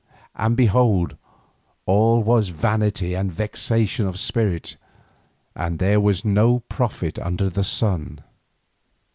And behold, all was vanity and vexation of spirit, and there was no profit under the sun."